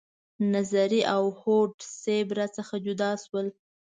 نظري او هوډ صیب را څخه جدا شول.